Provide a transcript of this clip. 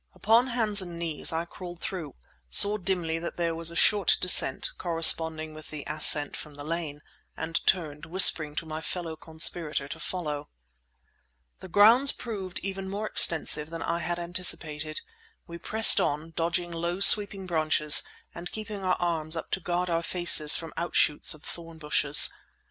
Upon hands and knees I crawled through, saw dimly that there was a short descent, corresponding with the ascent from the lane, and turned, whispering to my fellow conspirator to follow. The grounds proved even more extensive than I had anticipated. We pressed on, dodging low sweeping branches and keeping our arms up to guard our faces from outshoots of thorn bushes.